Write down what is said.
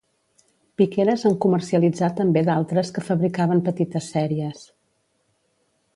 Piqueres en comercialitzà també d'altres que fabricava en petites sèries.